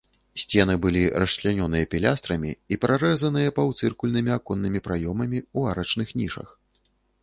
Сцены былі расчлянёныя пілястрамі і прарэзаныя паўцыркульнымі аконнымі праёмамі ў арачных нішах.